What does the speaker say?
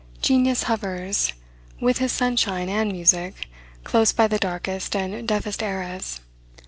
Genius hovers with his sunshine and music close by the darkest and deafest eras.